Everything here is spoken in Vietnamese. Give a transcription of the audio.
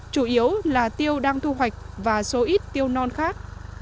chủ yếu là tiêu đang thu hoạch và số ít tiêu non khác